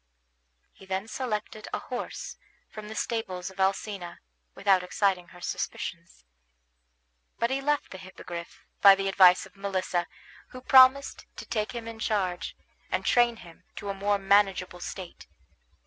He then selected a horse from the stables of Alcina, without exciting her suspicions; but he left the Hippogriff, by the advice of Melissa, who promised to take him in charge, and train him to a more manageable state.